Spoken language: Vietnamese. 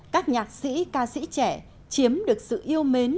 các nhạc sĩ ca sĩ trẻ chiếm được sự yêu mến